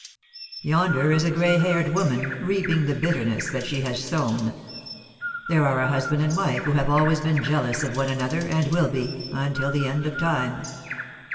"Yonder is a grey haired woman, reaping the bitterness that she has sown. There are a husband and wife who have always been jealous of one another, and will be, until the end of time.